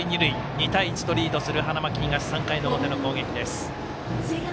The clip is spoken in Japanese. ２対１とリードする花巻東の３回の表の攻撃です。